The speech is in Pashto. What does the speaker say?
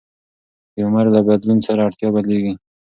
د عمر له بدلون سره اړتیا بدلېږي.